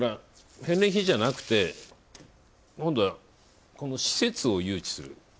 返礼品じゃなくて、今度は施設を誘致する。